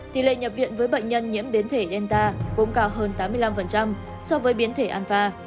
tỷ lệ nhập viện với bệnh nhân nhiễm biến thể genta cũng cao hơn tám mươi năm so với biến thể anfa